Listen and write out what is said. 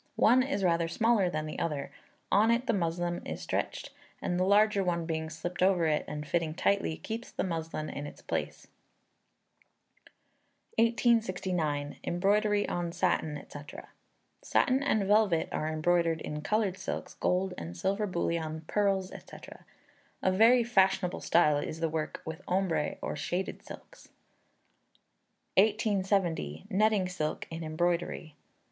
One is rather smaller than the other. On it the muslin is stretched, and the larger one being slipped over it, and fitting tightly, keeps the muslin in its place. 1869. Embroidery on Satin, &c. Satin and velvet are embroidered in coloured silks, gold and silver bullion, pearls, &c. A very fashionable style is the work with ombre or shaded silks. 1870. Netting Silk in Embroidery.